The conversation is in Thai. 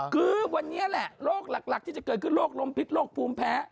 คือวันนี้แหละโรคหลักที่จะเกิดขึ้นโรคลมพิษโรคภูมิแพ้